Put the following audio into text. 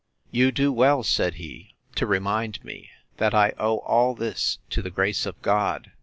You do well, said he, to remind me, that I owe all this to the grace of God.